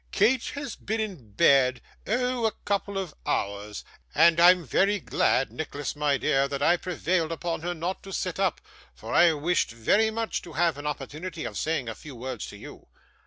'Kate has been in bed oh! a couple of hours and I'm very glad, Nicholas my dear, that I prevailed upon her not to sit up, for I wished very much to have an opportunity of saying a few words to you.